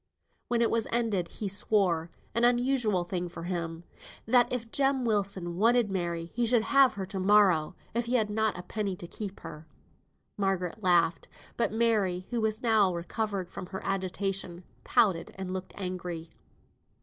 When it was ended, he swore (an unusual thing for him) that if Jem Wilson wanted Mary he should have her to morrow, if he had not a penny to keep her. Margaret laughed, but Mary, who was now recovered from her agitation, pouted, and looked angry.